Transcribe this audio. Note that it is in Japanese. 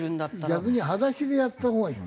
逆に裸足でやった方がいい。